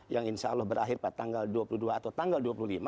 yang insya allah berakhir pak tanggal dua puluh dua atau tanggal dua puluh lima